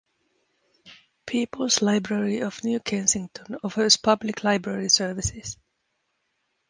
People's Library of New Kensington offers public library services.